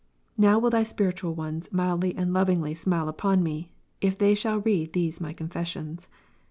Now will Thy spiritual ones mildly and lovingly smile upon me, if they shall read these my confessions.